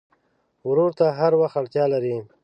ورور ته هر وخت اړتیا لرې.